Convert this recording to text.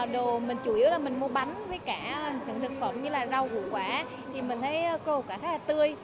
đồ mình chủ yếu là mình mua bánh với cả những thực phẩm như là rau gũ quả thì mình thấy cơ hội của nó khá là tươi